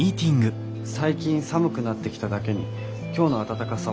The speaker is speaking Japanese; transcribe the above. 最近寒くなってきただけに今日の暖かさはホッとしますね。